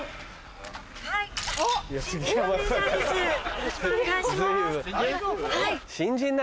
よろしくお願いします。